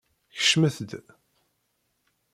Kecmet-d!